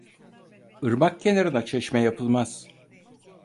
Irmak kenarına çeşme yapılmaz.